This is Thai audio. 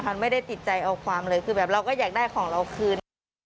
มันไม่ได้ติดใจเอาความเลยคือแบบเราก็อยากได้ของเราคืน